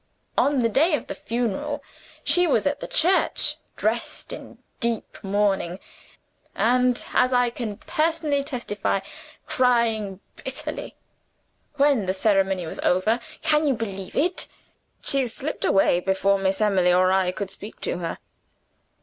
On the day of the funeral, there she was at the church, dressed in deep mourning; and, as I can personally testify, crying bitterly. When the ceremony was over can you believe it? she slipped away before Miss Emily or I could speak to her.